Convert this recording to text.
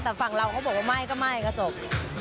แต่ฝั่งเราเขาบอกว่าไม่ก็ไม่ก็จบ